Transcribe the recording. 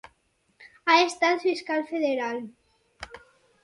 Ha estat fiscal federal.